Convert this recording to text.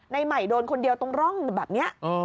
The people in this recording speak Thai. ในใหม่โดนคนเดียวตรงร่องแบบเนี้ยอ๋อ